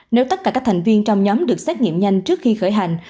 nếu tất cả các thành viên trong nhóm được xét nghiệm nhanh trước khi khởi hành